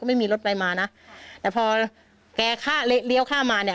ก็ไม่มีรถไปมานะแต่พอแกข้าเลเลี่ยวข้ามาเนี่ย